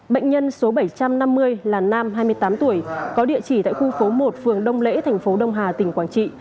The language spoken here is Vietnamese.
bệnh nhân số bảy trăm năm mươi là nam hai mươi tám tuổi có địa chỉ tại khu phố một phường đông lễ thành phố đông hà tỉnh quảng trị